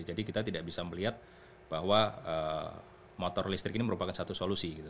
jadi kita tidak bisa melihat bahwa motor listrik ini merupakan satu solusi gitu